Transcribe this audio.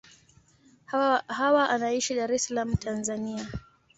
Hawa anaishi Dar es Salaam, Tanzania.